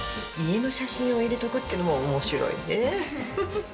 家の写真を入れとくっていうのも面白いねフフっ。